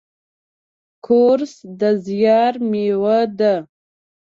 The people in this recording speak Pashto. کورس د زیار میوه ده.